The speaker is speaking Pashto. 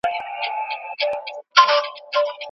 د سرطان درملنه د خلکو ژوند ژغوري.